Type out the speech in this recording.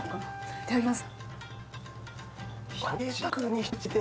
いただきます。